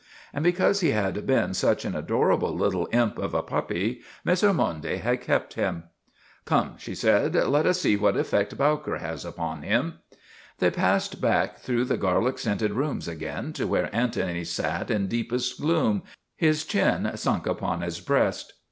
And because he had been such an adorable little imp of a puppy, Miss Ormonde had kept him, 92 MADNESS OF ANTONY SPATOLA " Come," she said, " let us see what effect Bowker has upon him." They passed back through the garlic scented rooms again to where Antony sat in deepest gloom, his chin sunk upon his breast.